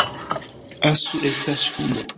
Asu estas hundo